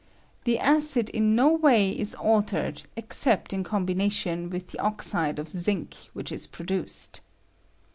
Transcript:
The acid in no way is altered escept in its HYDROGEN. 85 combination with the oxide of zinc which is produced.